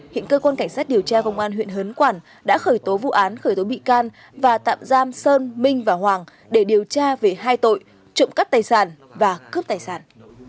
hiện cơ quan cảnh sát điều tra công an huyện hớn quản đã khởi tố vụ án khởi tố bị can và tạm giam sơn minh và hoàng để điều tra về hai tội trộm cắt tài sản và cướp tài sản